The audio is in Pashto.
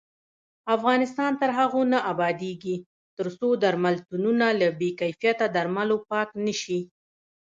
افغانستان تر هغو نه ابادیږي، ترڅو درملتونونه له بې کیفیته درملو پاک نشي.